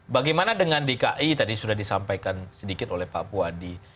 bagaimana dengan dki tadi sudah disampaikan sedikit oleh pak puadi